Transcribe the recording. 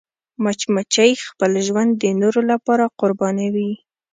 مچمچۍ خپل ژوند د نورو لپاره قربانوي